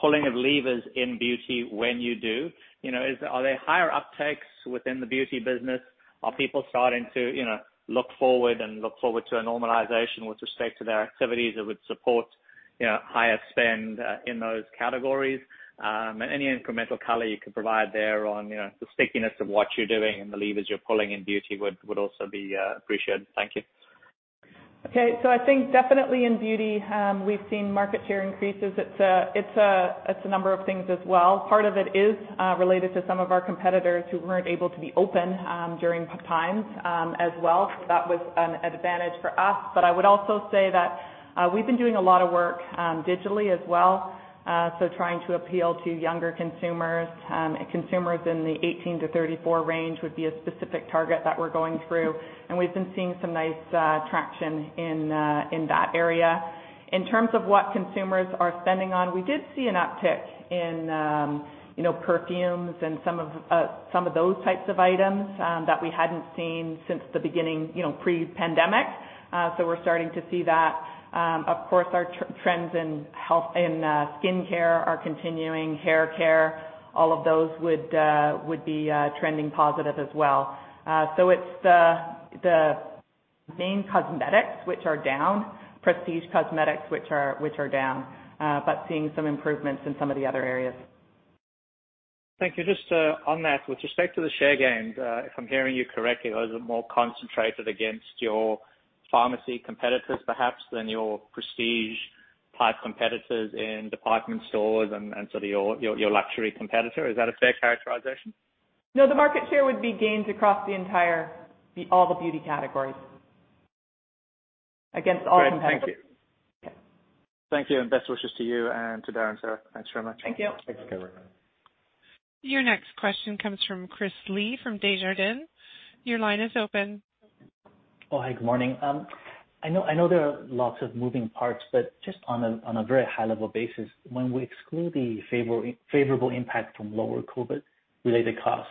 S11: pulling of levers in beauty when you do? Are there higher uptakes within the beauty business? Are people starting to look forward and look forward to a normalization with respect to their activities that would support higher spend in those categories? And any incremental color you could provide there on the stickiness of what you're doing and the levers you're pulling in beauty would also be appreciated. Thank you.
S4: Okay. I think definitely in beauty, we've seen market share increases. It's a number of things as well. Part of it is related to some of our competitors who weren't able to be open during times as well. That was an advantage for us. But I would also say that we've been doing a lot of work digitally as well, trying to appeal to younger consumers. Consumers in the 18-34 range would be a specific target that we're going through. And we've been seeing some nice traction in that area. In terms of what consumers are spending on, we did see an uptick in perfumes and some of those types of items that we hadn't seen since the beginning pre-pandemic. So we're starting to see that. Of course, our trends in skincare are continuing. Hair care, all of those would be trending positive as well. So it's the main cosmetics, which are down, prestige cosmetics, which are down, but seeing some improvements in some of the other areas.
S11: Thank you. Just on that, with respect to the share gains, if I'm hearing you correctly, those are more concentrated against your pharmacy competitors perhaps than your prestige-type competitors in department stores and sort of your luxury competitor. Is that a fair characterization?
S4: No, the market share would be gains across all the beauty categories against all competitors.
S11: Okay. Thank you. Thank you. And best wishes to you and to Darren and Sarah. Thanks very much.
S4: Thank you.
S3: Thanks, Kenric.
S1: Your next question comes from Chris Li from Desjardins. Your line is open.
S12: Oh, hey, good morning. I know there are lots of moving parts, but just on a very high-level basis, when we exclude the favorable impact from lower COVID-related costs,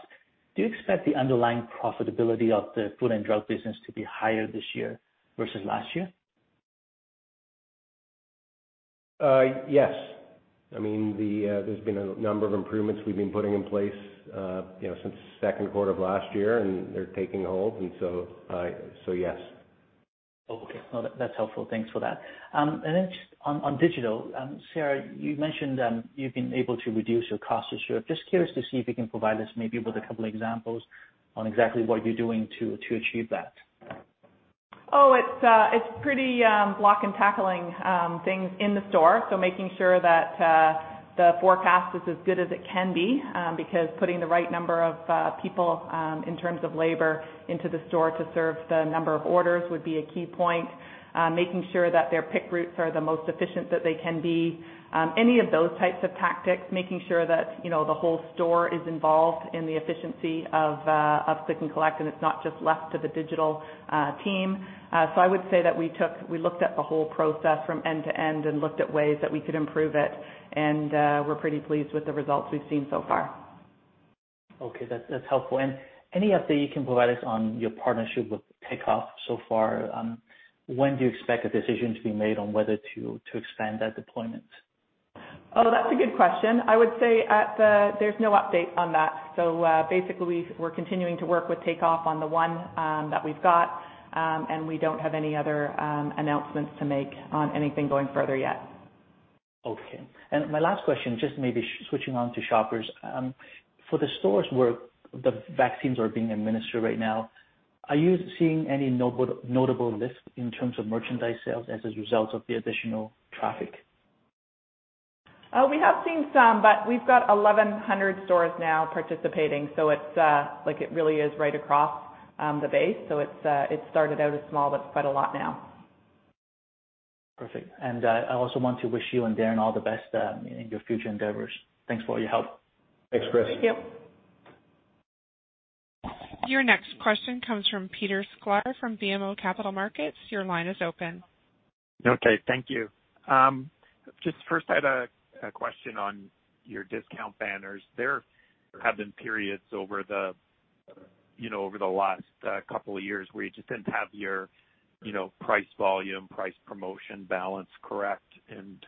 S12: do you expect the underlying profitability of the food and drug business to be higher this year versus last year?
S3: Yes. I mean, there's been a number of improvements we've been putting in place since the second quarter of last year, and they're taking hold. And so yes.
S12: Okay. No, that's helpful. Thanks for that. And then just on digital, Sarah, you mentioned you've been able to reduce your cost this year. Just curious to see if you can provide us maybe with a couple of examples on exactly what you're doing to achieve that?
S4: Oh, it's pretty blocking and tackling things in the store. So making sure that the forecast is as good as it can be because putting the right number of people in terms of labor into the store to serve the number of orders would be a key point. Making sure that their pick routes are the most efficient that they can be. Any of those types of tactics, making sure that the whole store is involved in the efficiency of pick and collect, and it's not just left to the digital team. So I would say that we looked at the whole process from end to end and looked at ways that we could improve it. And we're pretty pleased with the results we've seen so far.
S12: Okay. That's helpful. Any update you can provide us on your partnership with Takeoff so far? When do you expect a decision to be made on whether to expand that deployment?
S4: Oh, that's a good question. I would say there's no update on that, so basically, we're continuing to work with Takeoff on the one that we've got, and we don't have any other announcements to make on anything going further yet.
S12: Okay, and my last question, just maybe switching on to Shoppers. For the stores where the vaccines are being administered right now, are you seeing any notable lift in terms of merchandise sales as a result of the additional traffic?
S4: We have seen some, but we've got 1,100 stores now participating. So it really is right across the base. So it started out as small, but it's quite a lot now.
S12: Perfect. And I also want to wish you and Darren all the best in your future endeavors. Thanks for all your help.
S3: Thanks, Chris.
S4: Thank you.
S1: Your next question comes from Peter Sklar from BMO Capital Markets. Your line is open.
S13: Okay. Thank you. Just first, I had a question on your discount banners. There have been periods over the last couple of years where you just didn't have your price volume, price promotion balance correct. And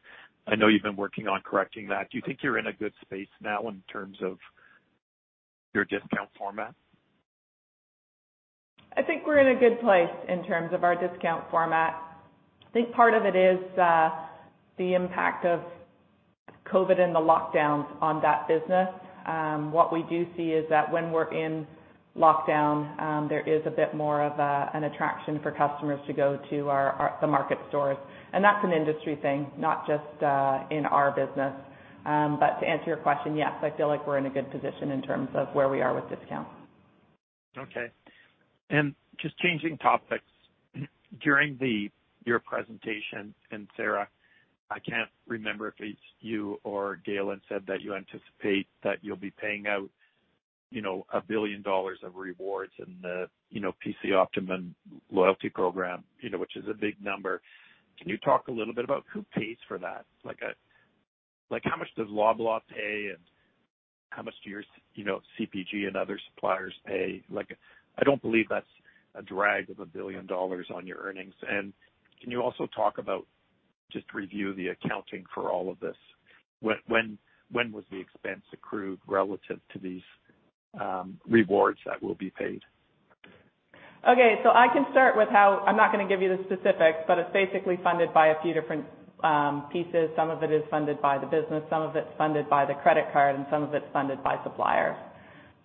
S13: I know you've been working on correcting that. Do you think you're in a good space now in terms of your discount format?
S4: I think we're in a good place in terms of our discount format. I think part of it is the impact of COVID and the lockdowns on that business. What we do see is that when we're in lockdown, there is a bit more of an attraction for customers to go to the market stores. And that's an industry thing, not just in our business. But to answer your question, yes, I feel like we're in a good position in terms of where we are with discounts.
S13: Okay. And just changing topics, during your presentation, and Sarah, I can't remember if it's you or Galen said that you anticipate that you'll be paying out 1 billion dollars of rewards in the PC Optimum loyalty program, which is a big number. Can you talk a little bit about who pays for that? How much does Loblaw pay and how much do your CPG and other suppliers pay? I don't believe that's a drag of 1 billion dollars on your earnings. And can you also talk about just review the accounting for all of this? When was the expense accrued relative to these rewards that will be paid?
S4: Okay. So I can start with how I'm not going to give you the specifics, but it's basically funded by a few different pieces. Some of it is funded by the business, some of it's funded by the credit card, and some of it's funded by suppliers.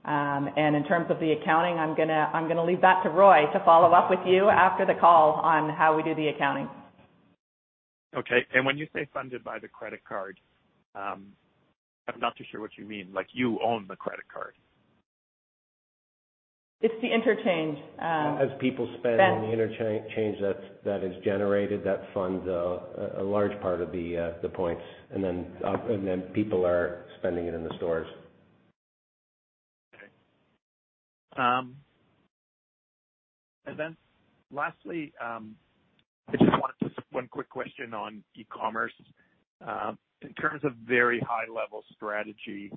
S4: And in terms of the accounting, I'm going to leave that to Roy to follow up with you after the call on how we do the accounting.
S13: Okay. And when you say funded by the credit card, I'm not too sure what you mean. You own the credit card.
S4: It's the interchange.
S3: As people spend on the interchange that is generated, that funds a large part of the points, and then people are spending it in the stores.
S13: Okay. And then lastly, I just wanted just one quick question on e-commerce. In terms of very high-level strategy,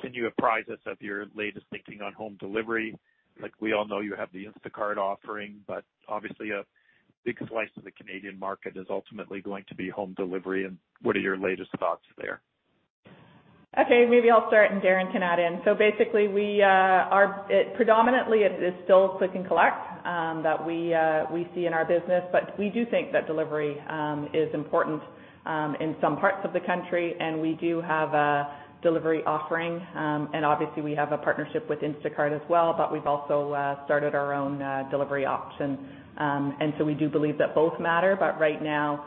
S13: can you apprise us of your latest thinking on home delivery? We all know you have the Instacart offering, but obviously, a big slice of the Canadian market is ultimately going to be home delivery. And what are your latest thoughts there?
S4: Okay. Maybe I'll start and Darren can add in. So basically, predominantly, it is still click and collect that we see in our business. But we do think that delivery is important in some parts of the country. And we do have a delivery offering. And obviously, we have a partnership with Instacart as well, but we've also started our own delivery option. And so we do believe that both matter. But right now,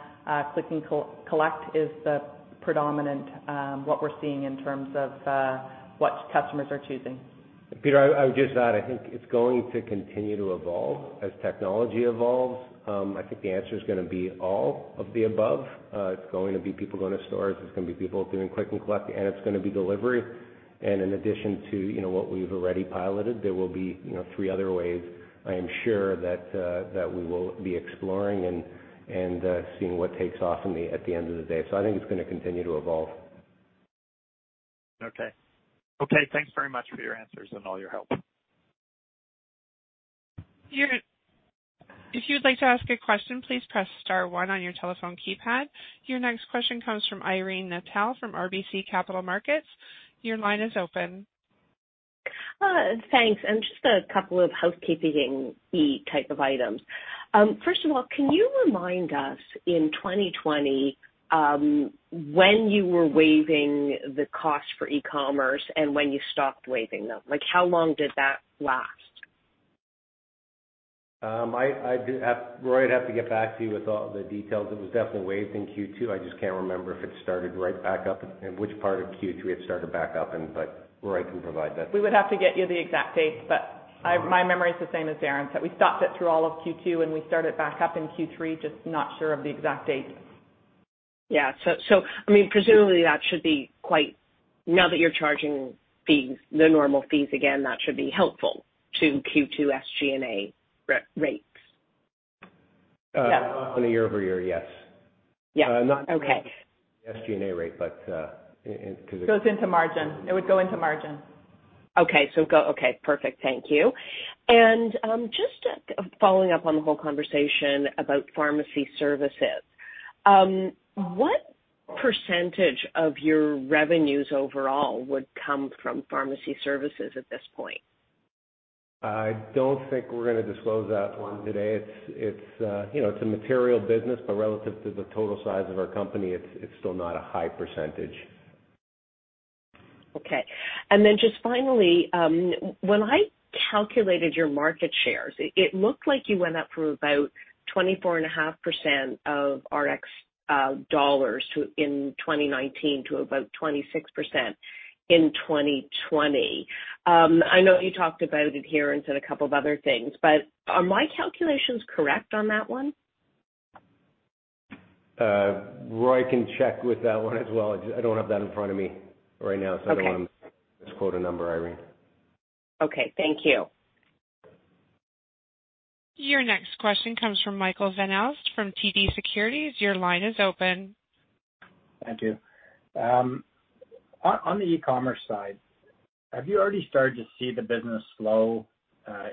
S4: click and collect is the predominant what we're seeing in terms of what customers are choosing.
S3: Peter, I would just add, I think it's going to continue to evolve as technology evolves. I think the answer is going to be all of the above. It's going to be people going to stores. It's going to be people doing pick and collect, and it's going to be delivery, and in addition to what we've already piloted, there will be three other ways, I am sure, that we will be exploring and seeing what takes off at the end of the day, so I think it's going to continue to evolve.
S13: Okay. Okay. Thanks very much for your answers and all your help.
S1: If you'd like to ask a question, please press star one on your telephone keypad. Your next question comes from Irene Nattel from RBC Capital Markets. Your line is open.
S6: Thanks. And just a couple of housekeeping-type of items. First of all, can you remind us in 2020 when you were waiving the cost for e-commerce and when you stopped waiving them? How long did that last?
S3: Irene, I'd have to get back to you with all the details. It was definitely waived in Q2. I just can't remember if it started right back up and which part of Q3 it started back up in, but Roy can provide that.
S4: We would have to get you the exact date, but my memory is the same as Darren's. We stopped it through all of Q2, and we started back up in Q3, just not sure of the exact date.
S6: Yeah, so I mean, presumably that should be quite now that you're charging the normal fees again. That should be helpful to Q2 SG&A rates.
S3: Yeah. On a year-over-year, yes.
S6: Yeah. Okay.
S3: Not the SG&A rate, but.
S4: It goes into margin. It would go into margin.
S6: Okay. Perfect. Thank you. And just following up on the whole conversation about pharmacy services, what percentage of your revenues overall would come from pharmacy services at this point?
S3: I don't think we're going to disclose that one today. It's a material business, but relative to the total size of our company, it's still not a high percentage.
S6: Okay. And then just finally, when I calculated your market shares, it looked like you went up from about 24.5% of RX dollars in 2019 to about 26% in 2020. I know you talked about adherence and a couple of other things, but are my calculations correct on that one?
S3: Irene, I can check with that one as well. I don't have that in front of me right now, so I don't want to misquote a number, Irene.
S6: Okay. Thank you.
S1: Your next question comes from Michael Van Aelst from TD Securities. Your line is open.
S14: Thank you. On the e-commerce side, have you already started to see the business slow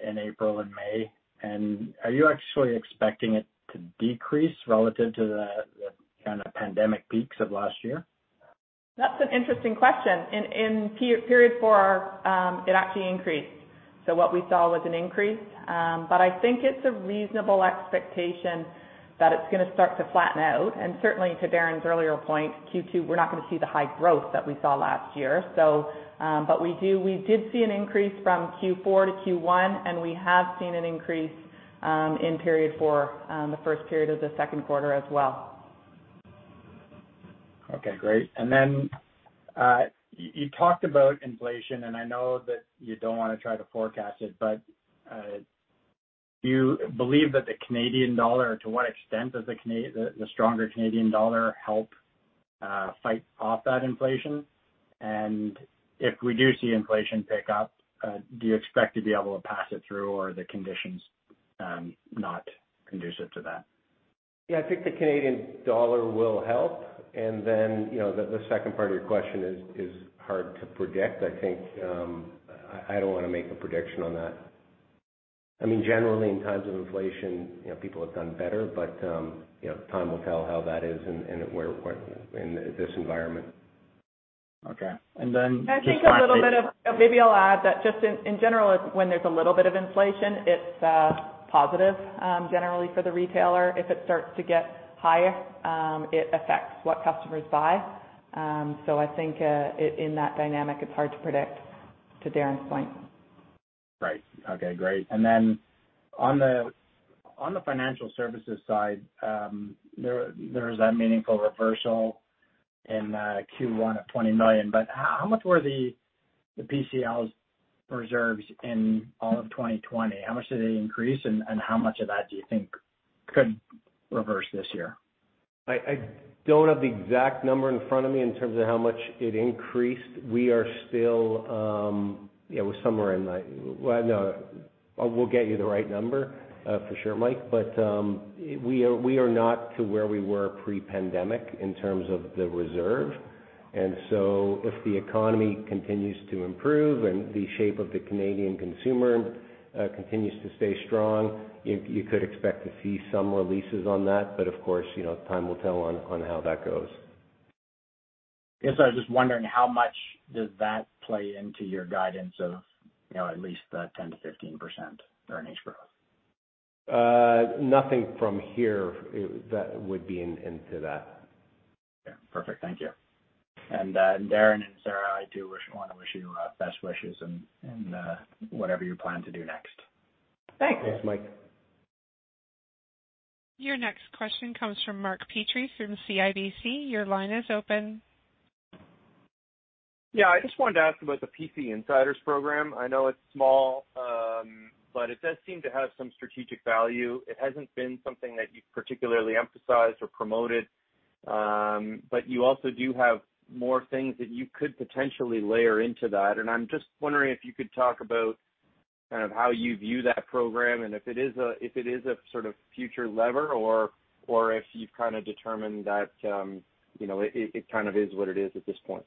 S14: in April and May? And are you actually expecting it to decrease relative to the kind of pandemic peaks of last year?
S4: That's an interesting question. In period four, it actually increased. So what we saw was an increase. But I think it's a reasonable expectation that it's going to start to flatten out. And certainly, to Darren's earlier point, Q2, we're not going to see the high growth that we saw last year. But we did see an increase from Q4-Q1, and we have seen an increase in period four, the first period of the second quarter as well.
S14: Okay. Great. And then you talked about inflation, and I know that you don't want to try to forecast it, but do you believe that the Canadian dollar, to what extent does the stronger Canadian dollar help fight off that inflation? And if we do see inflation pick up, do you expect to be able to pass it through or are the conditions not conducive to that?
S3: Yeah. I think the Canadian dollar will help. And then the second part of your question is hard to predict. I think I don't want to make a prediction on that. I mean, generally, in times of inflation, people have done better, but time will tell how that is in this environment. Okay. And then just in general.
S4: I think a little bit of maybe I'll add that just in general, when there's a little bit of inflation, it's positive generally for the retailer. If it starts to get higher, it affects what customers buy. So I think in that dynamic, it's hard to predict, to Darren's point.
S14: Right. Okay. Great. And then on the financial services side, there was that meaningful reversal in Q1 of 20 million. But how much were the PCLs reserved in all of 2020? How much did they increase, and how much of that do you think could reverse this year?
S3: I don't have the exact number in front of me in terms of how much it increased. We are still somewhere in the, well, I know we'll get you the right number for sure, Mike. But we are not to where we were pre-pandemic in terms of the reserve. And so if the economy continues to improve and the shape of the Canadian consumer continues to stay strong, you could expect to see some releases on that. But of course, time will tell on how that goes.
S14: Yes. I was just wondering how much does that play into your guidance of at least 10%-15% earnings growth?
S3: Nothing from here that would be into that.
S14: Okay. Perfect. Thank you. And Darren and Sarah, I do want to wish you best wishes in whatever you plan to do next.
S4: Thanks.
S3: Thanks, Mike.
S1: Your next question comes from Mark Petrie from CIBC. Your line is open.
S13: Yeah. I just wanted to ask about the PC Insiders program. I know it's small, but it does seem to have some strategic value. It hasn't been something that you've particularly emphasized or promoted. But you also do have more things that you could potentially layer into that. And I'm just wondering if you could talk about kind of how you view that program and if it is a sort of future lever or if you've kind of determined that it kind of is what it is at this point.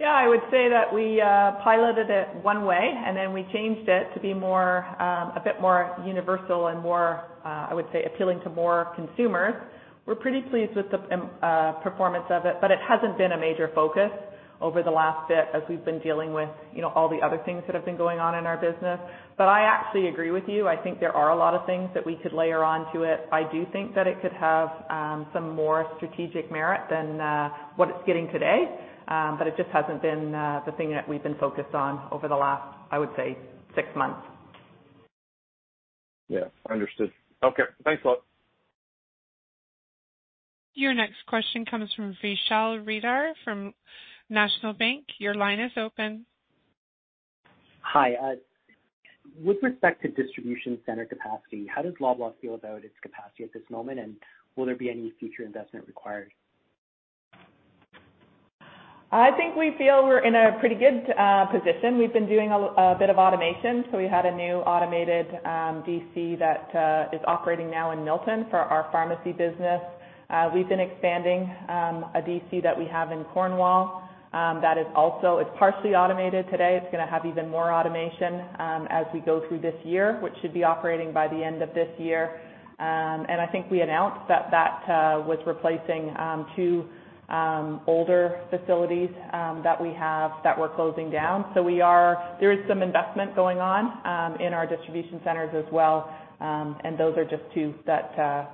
S4: Yeah. I would say that we piloted it one way, and then we changed it to be a bit more universal and, I would say, appealing to more consumers. We're pretty pleased with the performance of it, but it hasn't been a major focus over the last bit as we've been dealing with all the other things that have been going on in our business. But I actually agree with you. I think there are a lot of things that we could layer onto it. I do think that it could have some more strategic merit than what it's getting today, but it just hasn't been the thing that we've been focused on over the last, I would say, six months.
S7: Yeah. Understood. Okay. Thanks a lot.
S1: Your next question comes from Vishal Shreedhar from National Bank. Your line is open.
S9: Hi. With respect to distribution center capacity, how does Loblaw feel about its capacity at this moment, and will there be any future investment required?
S4: I think we feel we're in a pretty good position. We've been doing a bit of automation, so we had a new automated DC that is operating now in Milton for our pharmacy business. We've been expanding a DC that we have in Cornwall that is also partially automated today. It's going to have even more automation as we go through this year, which should be operating by the end of this year, and I think we announced that that was replacing two older facilities that we have that we're closing down, so there is some investment going on in our distribution centers as well, and those are just two that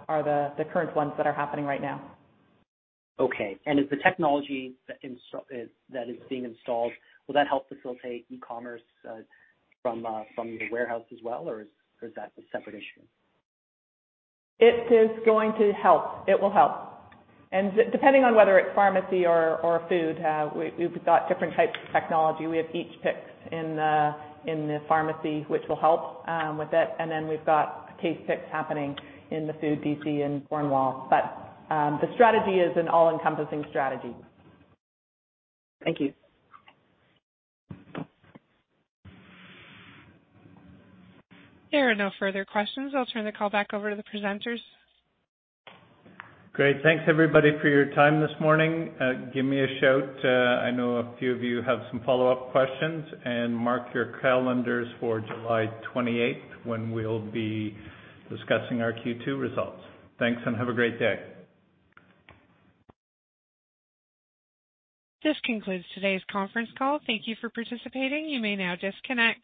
S4: are the current ones that are happening right now.
S9: Okay. And is the technology that is being installed, will that help facilitate e-commerce from the warehouse as well, or is that a separate issue?
S4: It is going to help. It will help. And depending on whether it's pharmacy or food, we've got different types of technology. We have each picks in the pharmacy, which will help with it. And then we've got case picks happening in the food DC in Cornwall. But the strategy is an all-encompassing strategy.
S9: Thank you.
S1: There are no further questions. I'll turn the call back over to the presenters.
S2: Great. Thanks, everybody, for your time this morning. Give me a shout. I know a few of you have some follow-up questions. And mark your calendars for July 28th when we'll be discussing our Q2 results. Thanks, and have a great day.
S1: This concludes today's conference call. Thank you for participating. You may now disconnect.